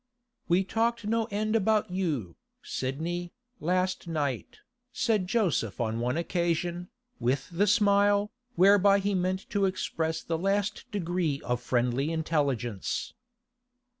'We talked no end about you, Sidney, last night,' said Joseph on one occasion, with the smile, whereby he meant to express the last degree of friendly intelligence.